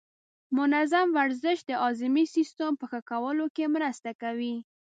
منظم ورزش د هاضمې سیستم په ښه کولو کې مرسته کوي.